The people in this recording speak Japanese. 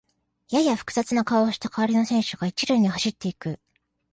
やや複雑な顔をした代わりの選手が一塁に走っていく